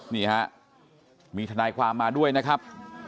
นี่ฮะมีทนายความมาด้วยนะครับ